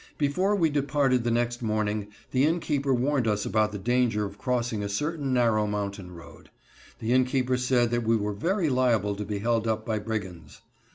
Before we departed the next morning the innkeeper warned us about the danger of crossing a certain narrow mountain road. The innkeeper said that we were very liable to be held up by brigands.